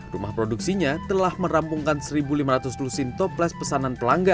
rumah produksinya telah merampungkan satu lima ratus lusin toples pesanan pelanggan